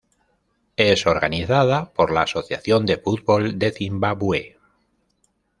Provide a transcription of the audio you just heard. Es organizada por la Asociación de Fútbol de Zimbabue.